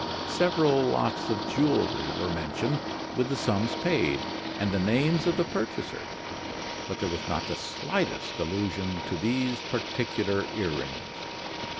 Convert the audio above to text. Several lots of jewelry were mentioned, with the sums paid, and the names of the purchasers; but there was not the slightest allusion to these particular earrings.